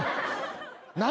何？